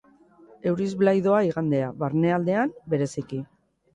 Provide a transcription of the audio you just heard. Euriz blai doa igandea, barnealdean bereziki.